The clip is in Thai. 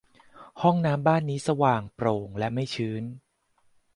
ห้องน้ำบ้านนี้สว่าง โปร่ง และไม่ชื้น